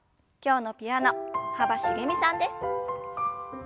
今日のピアノ幅しげみさんです。